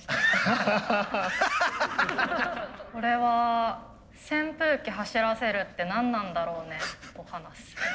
これは「扇風機走らせるって何なんだろうね」と話す。